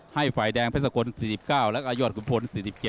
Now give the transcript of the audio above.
ให้ฝ่ายแดงเพชรสกล๔๙แล้วก็ยอดขุมพล๔๗